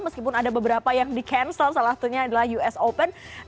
meskipun ada beberapa yang di cancel salah satunya adalah us open